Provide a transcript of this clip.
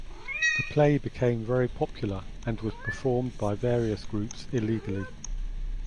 The play became very popular and was performed by various groups illegally.